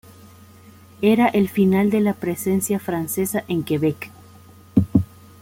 Era el final de la presencia francesa en Quebec.